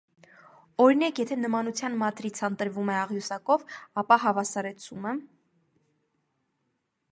Օրինակ, եթե նմանության մատրիցան տրվում է աղյուսակով. ապա հավասարեցումը։